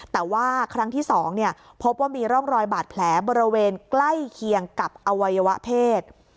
แต่ว่าครั้งที่๒พบว่ามีร่องรอยบาดแผลบริเวณใกล้เคียงกับอวัยวะเพศ